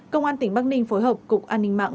công an tỉnh bắc ninh phối hợp cục an ninh mạng